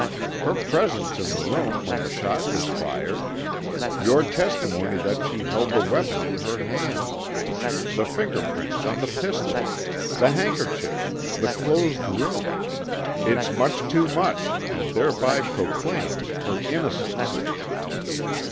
Her presence in the room when the shot was fired, your testimony that she held the weapon in her hand, the finger prints on the pistol, the handkerchief, the closed room It's much too much and thereby proclaims her innocence."